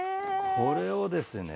これをですね